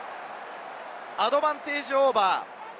アドバンテージオーバー。